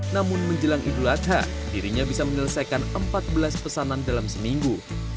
namun menjelang idul adha dirinya bisa menyelesaikan empat belas pesanan dalam seminggu